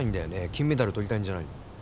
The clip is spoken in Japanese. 金メダルとりたいんじゃないの？